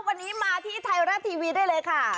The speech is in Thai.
วันนี้มาที่ไทยรัฐทีวีได้เลยค่ะ